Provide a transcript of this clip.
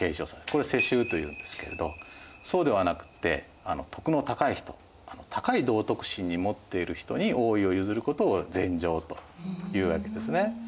これを世襲というんですけれどそうではなくって徳の高い人高い道徳心持っている人に王位を譲ることを禅譲というわけですね。